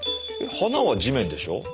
花は地面でしょ？